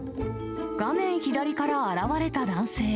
画面左から現れた男性。